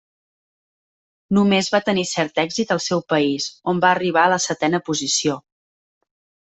Només va tenir cert èxit al seu país, on va arribar a la setena posició.